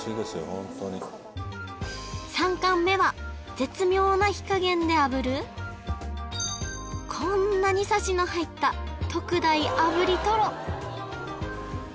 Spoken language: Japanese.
ホントに３貫目は絶妙な火加減で炙るこんなにサシの入った特大炙りとろ